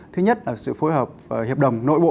thứ nhất là sự phối hợp hiệp đồng nội bộ